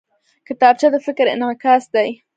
کتابچه د فکر انعکاس دی